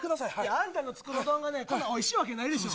あんたの作るうどんおいしいわけないでしょ。